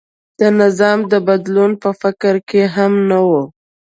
د نظام د بدلون په فکر کې هم نه و.